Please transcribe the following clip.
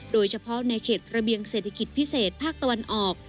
โดยเฉพาะในเขตระเบียงเศรษฐกิจพิเศษภาคตะวันออก